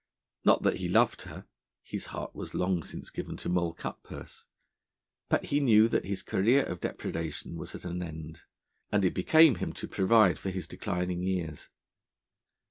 Not that he loved her; his heart was long since given to Moll Cutpurse; but he knew that his career of depredation was at an end, and it became him to provide for his declining years.